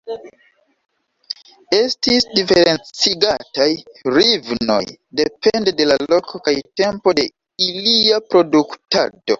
Estis diferencigataj hrivnoj depende de la loko kaj tempo de ilia produktado.